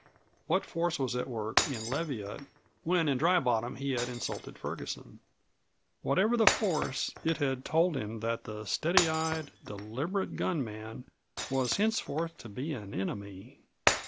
What force was at work in Leviatt when in Dry Bottom he had insulted Ferguson? Whatever the force, it had told him that the steady eyed, deliberate gun man was henceforth to be an enemy.